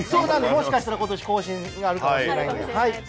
もしかしたら今年更新になるかもしれない。